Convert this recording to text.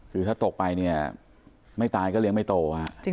คือถ้าตกไปเนี่ยไม่ตายก็เลี้ยงไม่โตฮะ